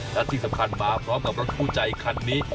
และที่สำคัญมาพร้อมกับรถคู่ใจคันนี้